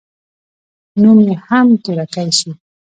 نوم يې هم تورکى سو.